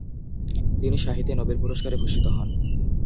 তিনি সাহিত্যে নোবেল পুরস্কারে ভূষিত হন।